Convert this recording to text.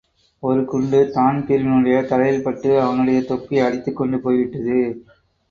ஒரு குண்டு தான்பீரினுடைய தலையில் பட்டு அவனுடைய தொப்பியை அடித்துக் கொண்டு போய்விட்து.